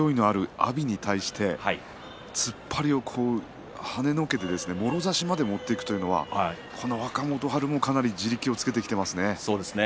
阿炎に対して突っ張りをはねのけてもろ差しで持っていくというのは若元春もかなり地力をつけてきていますね。